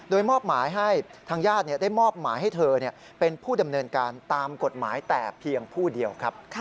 โดยมอบหมายให้ทางญาติได้มอบหมายให้เธอเป็นผู้ดำเนินการตามกฎหมายแต่เพียงผู้เดียวครับ